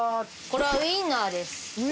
これはウインナーです。